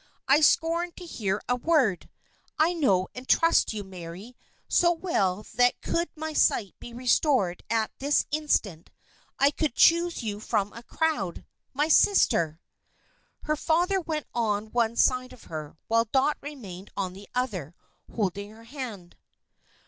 I scorned to hear a word! I know and trust you, Mary, so well that could my sight be restored at this instant, I could choose you from a crowd my sister!" Her father went on one side of her, while Dot remained on the other, holding her hand.